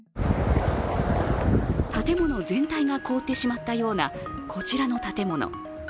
建物全体が凍ってしまったようなこちらの建物。